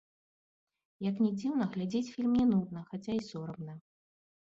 Як ні дзіўна, глядзець фільм не нудна, хаця і сорамна.